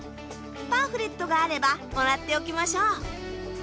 パンフレットがあればもらっておきましょう。